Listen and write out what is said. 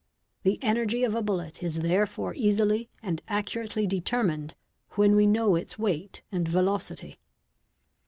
The energy of a bullet is therefore easily and accu rately determined when we know its weight and velocity.